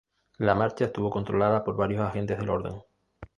La marcha estuvo controlada por varios agentes del orden.